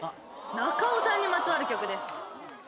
中尾さんにまつわる曲です。